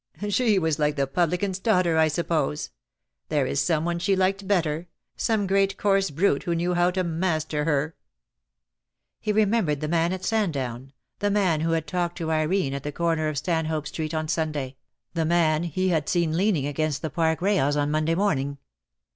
"She was like the publican's daughter, I suppose. There is someone she liked better — some great coarse brute who knew how to master her." He remembered the man at Sandown, the man DEAD LOVE HAS CHAINS. 275 who had talked to Irene at the corner of Stanhope Street on Sunday — the man he had seen leaning against the Park rails on Monday morning.